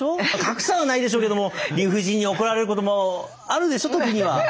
賀来さんはないでしょうけども理不尽に怒られることもあるでしょう時には。